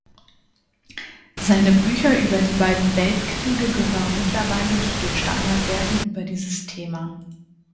Seine Bücher über die beiden Weltkriege gehören mittlerweile zu den Standardwerken über dieses Thema.